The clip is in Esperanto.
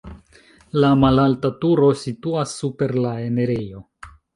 La malalta turo situas super la enirejo.